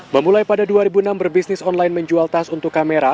memulai pada dua ribu enam berbisnis online menjual tas untuk kamera